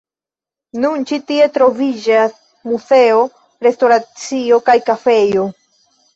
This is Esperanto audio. Nun ĉi tie troviĝas muzeo, restoracio kaj kafejo.